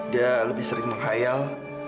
dia lebih sering menghayal